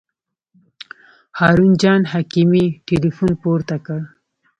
هارون جان حکیمي تیلفون پورته کړ.